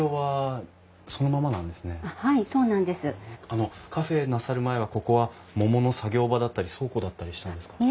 あのカフェなさる前はここは桃の作業場だったり倉庫だったりしたんですか？